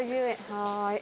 はい。